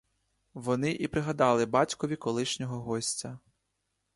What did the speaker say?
Вони і пригадали батькові колишнього гостя.